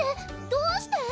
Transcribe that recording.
どうして⁉